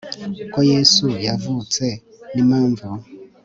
uko yesu yavutse n impamvu